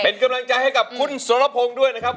เป็นกำลังใจให้กับคุณสรพงศ์ด้วยนะครับ